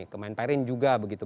kemenperin juga begitu